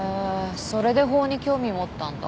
それで法に興味持ったんだ。